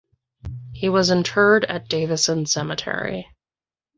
He was interred at Davison Cemetery.